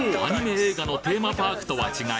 映画のテーマパークとは違い